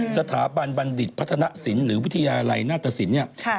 สถาบันบัณฑิตพัฒนศิลป์หรือวิทยาลัยหน้าตสินเนี่ย